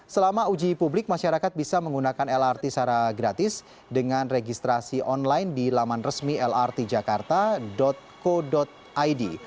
selama uji publik masyarakat bisa menggunakan lrt secara gratis dengan registrasi online di laman resmi lrt jakarta co id